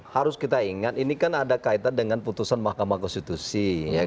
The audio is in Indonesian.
harus kita ingat ini kan ada kaitan dengan putusan mahkamah konstitusi